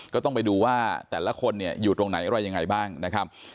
ก็ต้องไปดูว่าแต่ละคนเนี่ยอยู่ตรงไหนอะไรยังไงบ้างนะครับ